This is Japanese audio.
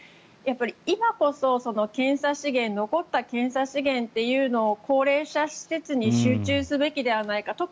やっぱり今こそ残った検査資源というのを高齢者施設に集中すべきではないか。